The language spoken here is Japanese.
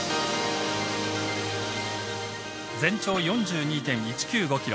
全長４２．１９５ｋｍ。